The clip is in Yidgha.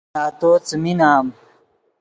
نتو څیمی نام